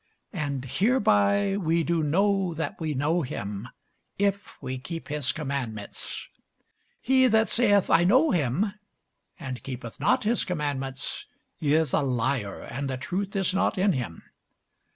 And hereby we do know that we know him, if we keep his commandments. He that saith, I know him, and keepeth not his commandments, is a liar, and the truth is not in him.